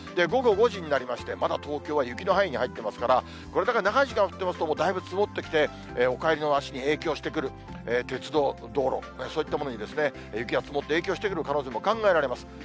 午後５時になりまして、まだ東京は雪の範囲に入っていますから、これだから長い時間降ってますと、もうだいぶ積もってきて、お帰りの足に影響してくる、鉄道、道路、そういったものに、雪が積もって影響してくる可能性も考えられます。